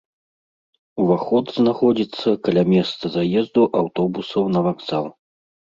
Уваход знаходзіцца каля месца заезду аўтобусаў на вакзал.